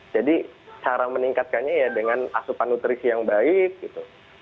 jadi cara meningkatkannya ya dengan asupan nutrisi yang baik gitu